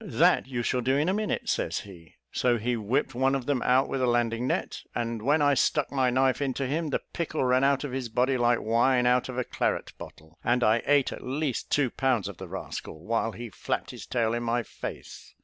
"'That you shall do in a minute,' says he; so he whipped one of them out with a landing net; and when I stuck my knife into him, the pickle ran out of his body, like wine out of a claret bottle, and I ate at least two pounds of the rascal, while he flapped his tail in my face.